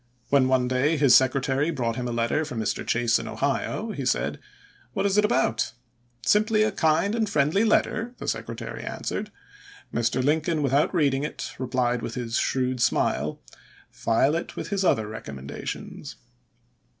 When one day his secretary brought him a letter from Mr. Chase in Ohio, he said, "What is it about f "" Simply a kind and friendly letter," the secretary answered. Mr. Lincoln, without read ing it, replied with his shrewd smile, " File it with his other recommendations."